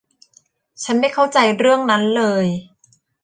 ฉันไม่เข้าใจเรื่องนั้นเลย